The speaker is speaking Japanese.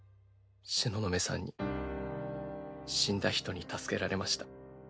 東雲さんに死んだ人に助けられました。